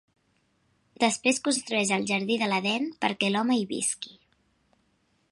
Després construeix el Jardí de l'Edèn perquè l'home hi visqui.